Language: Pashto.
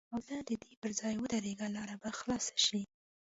او ته د دې پر ځای ودرېږه لاره به خلاصه شي.